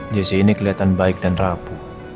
jesse ini keliatan baik dan rapuh